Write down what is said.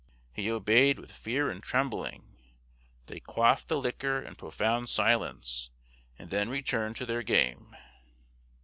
He obeyed with fear and trembling; they quaffed the liquor in profound silence, and then returned to their game.